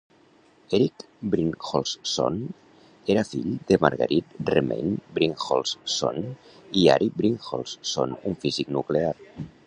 Erik Brynjolfsson era fill de Marguerite Reman Brynjolfsson i Ari Brynjolfsson, un físic nuclear.